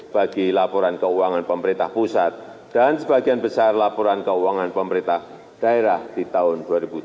bagi laporan keuangan pemerintah pusat dan sebagian besar laporan keuangan pemerintah daerah di tahun dua ribu tujuh belas